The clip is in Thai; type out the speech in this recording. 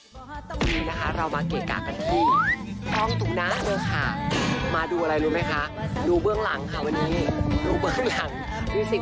วันนี้นะคะเรามาเกะกะกันที่ห้องตรงหน้าเลยค่ะมาดูอะไรรู้ไหมคะดูเบื้องหลังค่ะวันนี้ดูเบื้องหลังดูสิ